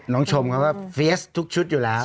ชมเขาก็เฟียสทุกชุดอยู่แล้ว